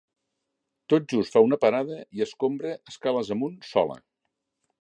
Tot just fa una parada i escombra escales amunt sola.